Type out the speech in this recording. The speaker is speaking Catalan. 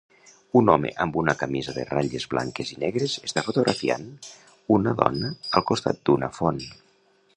Un home amb una camisa de ratlles blanques i negres està fotografiant una dona al costat d'una font.